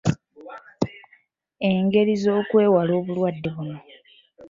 Engeri z’okwewala obulwadde buno.